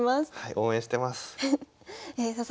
応援してます。